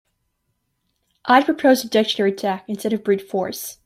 I'd propose a dictionary attack instead of brute force.